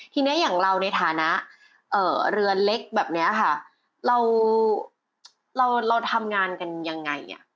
ทีนี้อย่างเราในฐานะเรือเล็กแบบเนี้ยค่ะเราเราทำงานกันยังไง